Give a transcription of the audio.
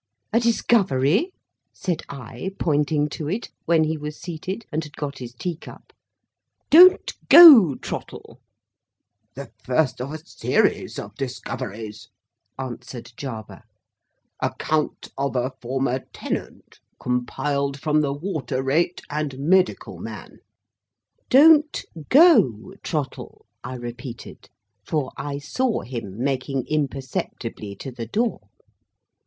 "A discovery?" said I, pointing to it, when he was seated, and had got his tea cup.—"Don't go, Trottle." "The first of a series of discoveries," answered Jarber. "Account of a former tenant, compiled from the Water Rate, and Medical Man." "Don't go, Trottle," I repeated. For, I saw him making imperceptibly to the door.